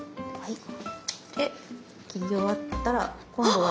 はい。